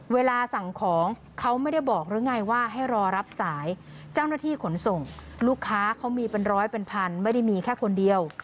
เวลาสั่งของเขาไม่ได้บอกหรือไงว่าให้รอรับสายเจ้าหน้าที่ขนส่งลูกค้าเขามีเป็นร้อยเป็นพันไม่ได้มีแค่คนเดียว